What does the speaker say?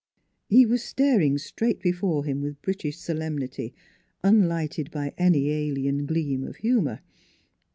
He was staring straight before him with British solemnity, unlighted by any alien gleam of humor.